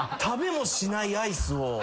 食べもしないアイスを。